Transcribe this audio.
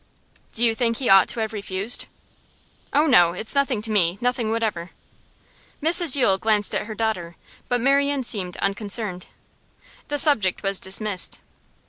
'Do you think he ought to have refused?' 'Oh no. It's nothing to me; nothing whatever.' Mrs Yule glanced at her daughter, but Marian seemed unconcerned. The subject was dismissed.